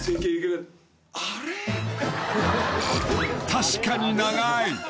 ［確かに長い］